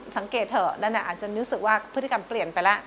สังเกตเถอะนั่นอาจจะรู้สึกว่าพฤติกรรมเปลี่ยนไปแล้ว